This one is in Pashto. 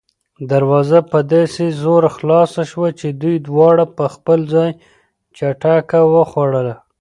دروازه په داسې زور خلاصه شوه چې دوی دواړه په خپل ځای جټکه وخوړه.